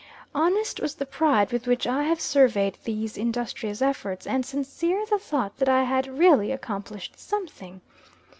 Honest was the pride with which I have surveyed these industrious efforts, and sincere the thought that I had really accomplished something.